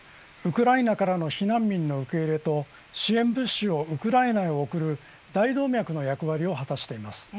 ウクライナからの避難民の受け入れと支援物資をウクライナへ送る大動脈の役割を果たしています。